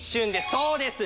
そうです！